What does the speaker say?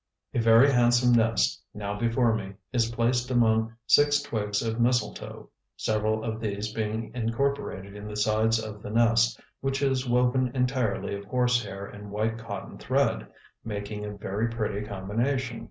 A very handsome nest, now before me, is placed among six twigs of mistletoe, several of these being incorporated in the sides of the nest, which is woven entirely of horsehair and white cotton thread, making a very pretty combination.